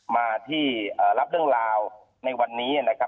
มาที่รับเรื่องราวในวันนี้นะครับ